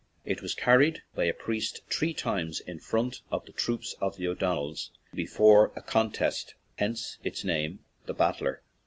It was car ried by a priest three times in front of the troops of the O'Donnells before a contest, hence its name, "The Battler."